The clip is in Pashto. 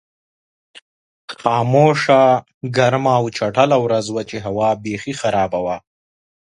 خاموشه، ګرمه او چټله ورځ وه چې هوا بېخي خرابه وه.